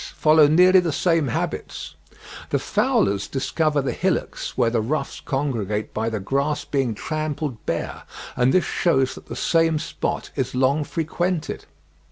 follow nearly the same habits. The fowlers discover the hillocks where the ruffs congregate by the grass being trampled bare, and this shews that the same spot is long frequented.